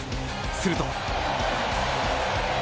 すると。